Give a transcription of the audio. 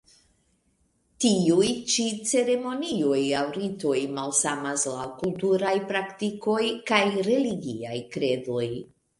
Tiuj ĉi ceremonioj aŭ ritoj malsamas laŭ kulturaj praktikoj kaj religiaj kredoj.